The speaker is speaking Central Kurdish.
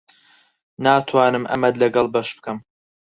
ناتوانم ئەمەت لەگەڵ بەش بکەم.